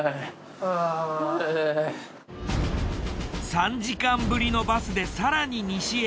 ３時間ぶりのバスで更に西へ。